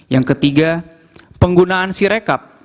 yang ketiga penggunaan sirekap